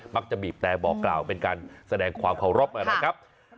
มักจะบีบแตรบอกกล่าวเป็นการแสดงความขอบครับ